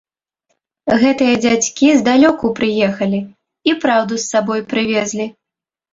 Гэтыя дзядзькі здалёку прыехалі і праўду з сабою прывезлі.